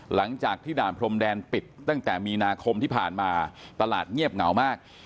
หลังจากที่ด่านพรมแดนปิดตั้งแต่มีนาคมที่ผ่านมาตลาดเงียบเหงามาก